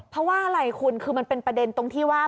เพราะว่าอะไรคุณคือมันเป็นประเด็นตรงที่ว่า